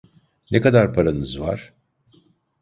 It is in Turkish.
Ne kadar paranız var?